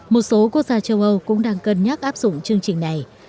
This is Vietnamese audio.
một số quốc gia châu âu cũng đang cân nhắc áp dụng chương trình này